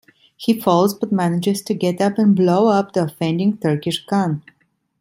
He falls, but manages to get up and blow up the offending Turkish gun.